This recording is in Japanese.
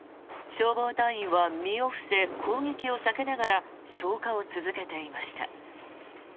消防隊員は身を伏せ攻撃を避けながら消火を続けていました。